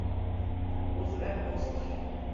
uz, Repost